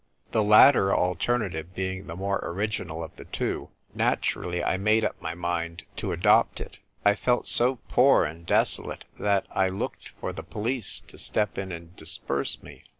The latter alternative being the more original of the two, naturally I made up my mind to adopt it. I felt so poor and desolate that I looked for the police to step in and disperse me.